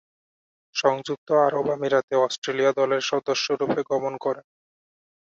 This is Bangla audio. সংযুক্ত আরব আমিরাতে অস্ট্রেলিয়া দলের সদস্যরূপে গমন করেন।